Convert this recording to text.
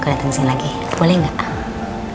soalnya gue seperti engga tepat